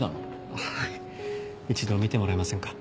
あっはい一度見てもらえませんか？